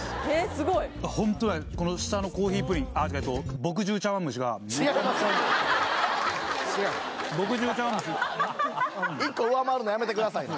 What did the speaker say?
すごいホントうまいこの下のコーヒープリンああ違います違います墨汁茶碗蒸し一個上回るのやめてください